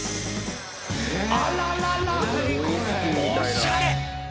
おしゃれ！